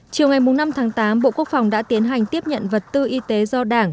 chiều ngày năm tháng tám bộ quốc phòng đã tiến hành tiếp nhận vật tư y tế do đảng